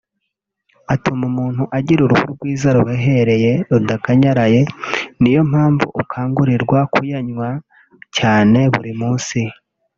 Atuma umuntu agira uruhu rwiza ruhehereye rudakanyaraye n’iyo mpamvu ukangururwa kuyanywa cyane buri munsi